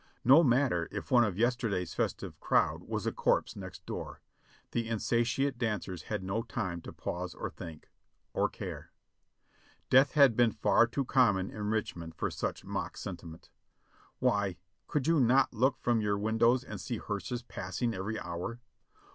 No mat ter if one of yesterday's festive crowd v^'as a corpse next door, the insatiate dancers had no time to pause or think — or care ! Death had been far too common in Richmond for such mock sentiment ! Why ! could you not look from your windows and see hearses passing every hour?